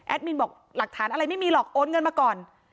มินบอกหลักฐานอะไรไม่มีหรอกโอนเงินมาก่อน